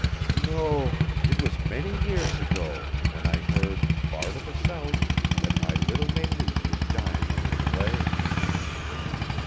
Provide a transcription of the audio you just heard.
"No, it was many years ago, when I heard, far to the south, that my little Mélisse was dying of the plague."